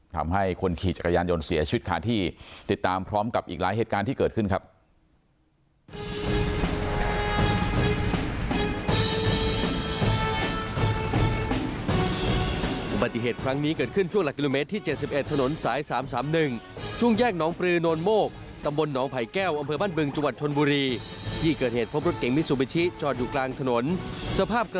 ทำให้คนขี่จักรยานยนต์เสียชีวิตคาที่ติดตามพร้อมกับอีกหลายเหตุการณ์ที่เกิดขึ้นครับ